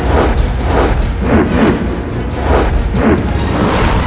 vetak hayat ini mempengaruhi bunuh para jamaat bahkan secara profesional